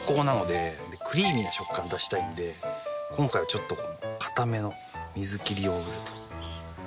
クリーミーな食感を出したいので今回はちょっとこの硬めの水切りヨーグルト。